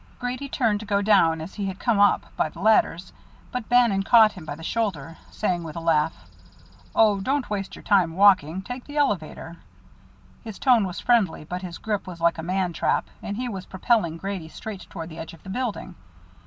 Grady turned to go down as he had come up, by the ladders, but Bannon caught him by the shoulder, saying with a laugh: "Oh, don't waste your time walking. Take the elevator." His tone was friendly but his grip was like a man trap, and he was propelling Grady straight toward the edge of the building.